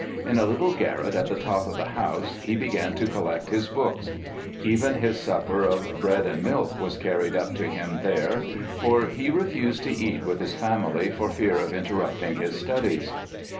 In a little garret at the top of the house he began to collect his books; even his supper of bread and milk was carried up to him there, for he refused to eat with his family for fear of interrupting his studies.